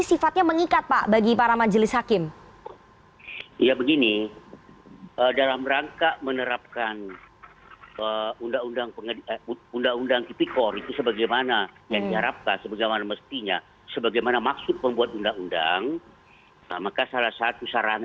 itu adalah contoh contoh dan juga